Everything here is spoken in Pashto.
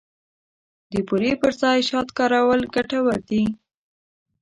د بوري پر ځای شات کارول ګټور دي.